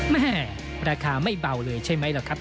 แม่ราคาไม่เบาเลยใช่ไหมล่ะครับ